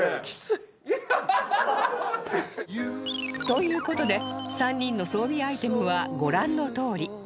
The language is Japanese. という事で３人の装備アイテムはご覧のとおり